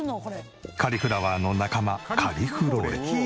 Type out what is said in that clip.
カリフラワーの仲間カリフローレ。